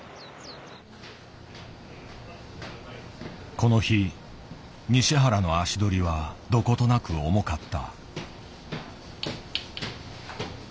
この日西原の足取りはどことなく重かった。